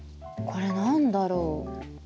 これ何だろう？